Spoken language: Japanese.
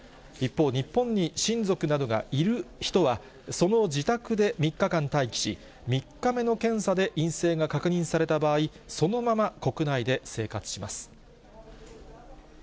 一方、日本に親族などがいる人は、その自宅で３日間待機し、３日目の検査で陰性が確認された場合、そのまま国内で生活します。